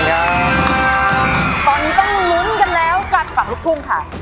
ตอนนี้ต้องลุ้นกันแล้วกับฝั่งลูกทุ่งค่ะ